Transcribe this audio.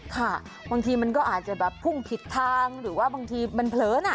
ค่ะบางทีมันก็อาจจะแบบพุ่งผิดทางหรือว่าบางทีมันเผลอนะ